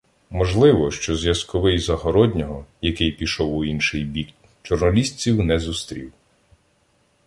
Можливо, що зв'язковий Загороднього, який пішов у інший бік, чорнолісців не зустрів.